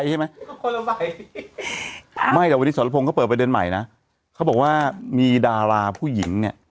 ให้วันที่คุณก็ต่อไปเดินใหม่นะเขาบอกว่ามีดาลาผู้หญิงเนี่ย